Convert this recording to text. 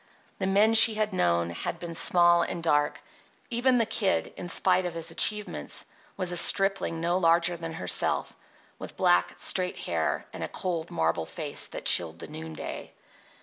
The men she had known had been small and dark. Even the Kid, in spite of his achievements, was a stripling no larger than herself, with black, straight hair and a cold, marble face that chilled the noonday.